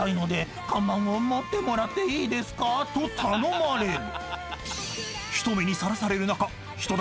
［と頼まれる］